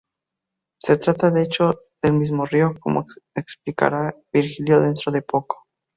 Se trata de hecho del mismo río, como explicará Virgilio dentro de poco.